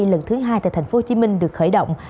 lần thứ hai tại tp hcm được khởi động